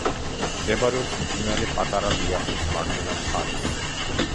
მდებარეობს მდინარე პატარა ლიახვის მარჯვენა მხარეს.